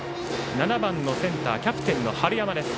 ７番のセンターキャプテンの春山。